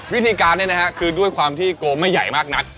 วิธีการนี้นะฮะคือด้วยความที่โกงไม่ใหญ่มากนัก